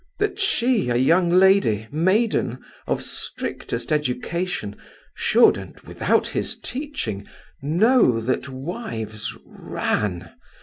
That she, a young lady, maiden, of strictest education, should, and without his teaching, know that wives ran!